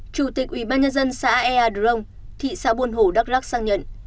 chủ tịch ủy ban nhân dân xã ea drong thị xã buôn hổ đắk lắc xác nhận